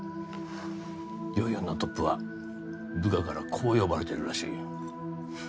４４のトップは部下からこう呼ばれているらしい。